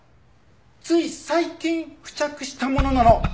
つい最近付着したものなの！